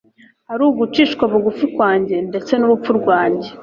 ari ugucishwa bugufi kwanjye ndetse n'urupfu rwanjye.